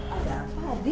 ada apa adi